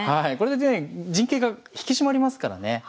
これでね陣形が引き締まりますからね。